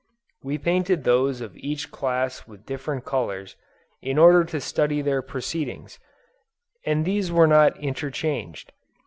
We painted those of each class with different colors, in order to study their proceedings; and these were not interchanged.